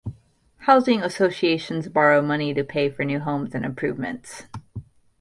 Housing associations borrow money to pay for new homes and improvements.